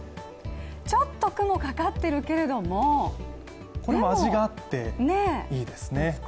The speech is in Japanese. ちょっと雲、かかっているけれども、でもこれも味があっていいですね。